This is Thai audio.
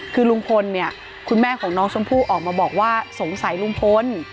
คือลุงพลเนี่ยคุณแม่ของน้องชมพู่ออกมาบอกว่าสงสัยลุงพล